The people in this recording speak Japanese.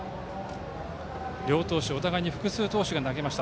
お互い複数投手が投げました。